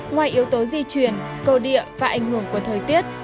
ngoài yếu tố di chuyển cơ địa và ảnh hưởng của thời tiết